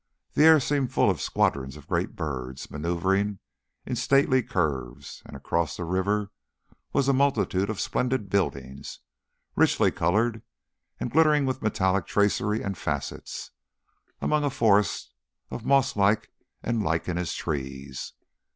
The air seemed full of squadrons of great birds, manœuvring in stately curves; and across the river was a multitude of splendid buildings, richly coloured and glittering with metallic tracery and facets, among a forest of moss like and lichenous trees.